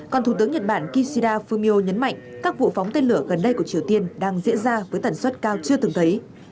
còn thủ tướng nhật bản kishida fumio nhấn mạnh các vụ phóng tên lửa gần đây của triều tiên đang diễn ra với tần suất cao chưa từng thấy